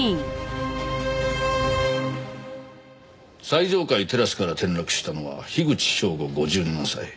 最上階テラスから転落したのは樋口彰吾５７歳。